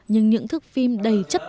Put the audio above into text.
nhưng những thức phim đầy chất lượng